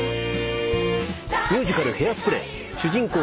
ミュージカル『ヘアスプレー』主人公